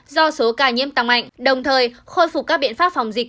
do số ca nhiễm tăng mạnh đồng thời khôi phục các biện pháp phòng dịch